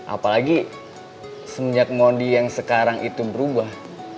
apalagi semenjak mondi yang sekarang itu berubah